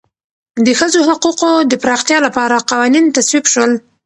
د ښځو حقوقو د پراختیا لپاره قوانین تصویب شول.